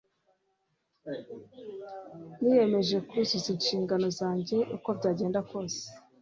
Niyemeje kuzuza inshingano zanjye uko byagenda kose.